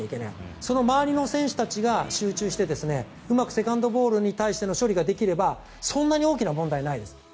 その周りの選手たちが集中してうまくセカンドボールに対しての処理ができればそんなに大きな問題はないです。